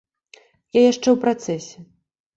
Я яшчэ ў працэсе.